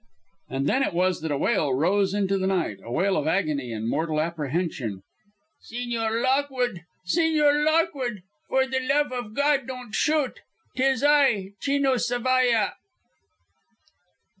And then it was that a wail rose into the night, a wail of agony and mortal apprehension: "Sigñor Lockwude, Sigñor Lockwude, for the love of God, don't shoot! 'Tis I Chino Zavalla."